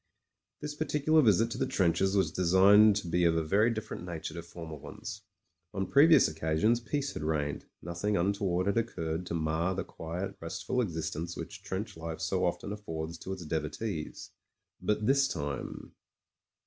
...•••«.•• This particular visit to the trenches was destined to be of a very different nature to former ones. On previous occasions peace had reigned; nothing un toward had occurred to mar the quiet restful exist ence which trench life so often affords to its devotees. But this time.